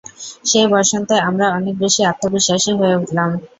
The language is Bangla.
সেই বসন্তে আমরা অনেক বেশি আত্মবিশ্বাসী হয়ে উঠলাম।